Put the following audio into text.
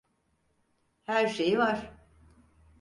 Her şeyi var.